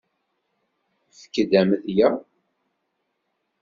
Efk-d amedya.